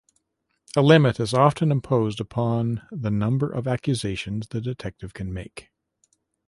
A limit is often imposed upon the number of accusations the detective can make.